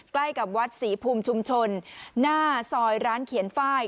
ใกล้กับวัดศรีภูมิชุมชนหน้าซอยร้านเขียนไฟล์